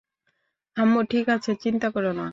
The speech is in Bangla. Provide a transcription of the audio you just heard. আম্মু ঠিক আছে, চিন্তা করো না!